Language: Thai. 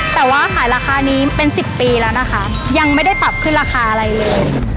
แต่ว่าขายราคานี้เป็น๑๐ปีแล้วนะคะยังไม่ได้ปรับขึ้นราคาอะไรเลย